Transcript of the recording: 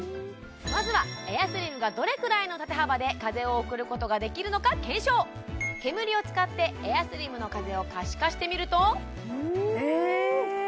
まずはエアスリムがどれくらいの縦幅で風を送ることができるのか検証煙を使ってエアスリムの風を可視化してみるとんうわっえ